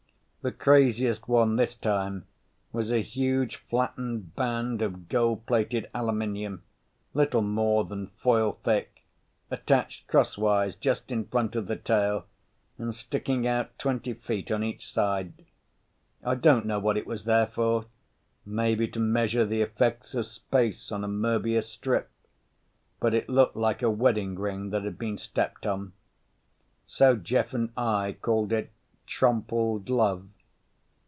The craziest one this time was a huge flattened band of gold plated aluminum, little more than foil thick, attached crosswise just in front of the tail and sticking out twenty feet on each side. I don't know what it was there for—maybe to measure the effects of space on a Moebius strip—but it looked like a wedding ring that had been stepped on. So Jeff and I called it Trompled Love.